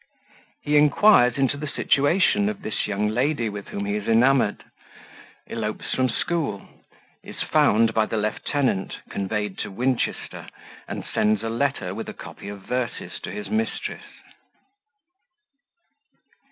He inquires into the Situation of this young Lady, with whom he is enamoured Elopes from School Is found by the Lieutenant, conveyed to Winchester, and sends a Letter with a copy of verses to his Mistress.